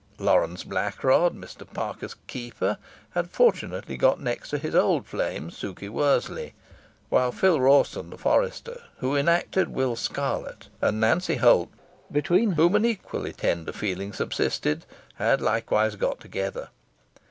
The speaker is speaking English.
Lawrence Blackrod, Mr. Parker's keeper, had fortunately got next to his old flame, Sukey Worseley; while Phil Rawson, the forester, who enacted Will Scarlet, and Nancy Holt, between whom an equally tender feeling subsisted, had likewise got together.